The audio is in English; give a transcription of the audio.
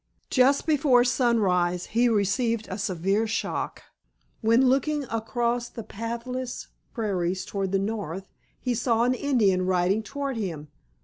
Just before sunrise he received a severe shock, when looking across the pathless prairies toward the north he saw an Indian riding toward him.